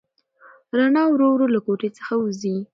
رڼا ورو ورو له کوټې څخه وځي.